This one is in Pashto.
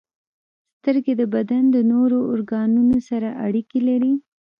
• سترګې د بدن د نورو ارګانونو سره اړیکه لري.